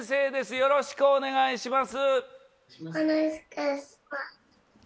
よろしくお願いします。